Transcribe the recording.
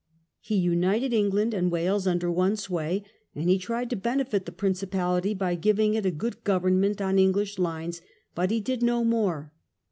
He united England and Wales under one sway, and he tried to benefit the principality by giving it a good government on English lines, but he did no more.